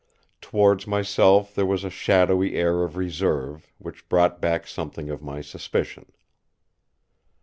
Towards myself there was a shadowy air of reserve, which brought back something of my suspicion.